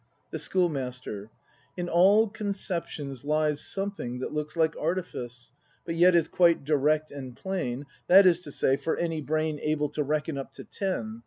The Schoolmaster. In all conceptions lies Something that looks like artifice, But yet is quite direct and plain, — That is to say, for any brain Able to reckon up to ten.